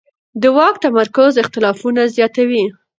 د واک تمرکز اختلافونه زیاتوي